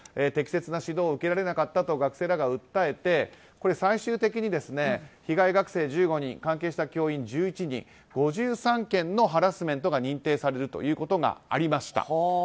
適切な指導を受けられなかったと学生らが訴えて、最終的に被害学生、１５人関係した教員、１１人５３件のハラスメントが認定されることがありました。